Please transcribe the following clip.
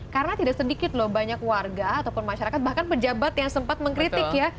karena tidak sedikit loh banyak warga ataupun masyarakat bahkan pejabat yang sempat mengkritik ya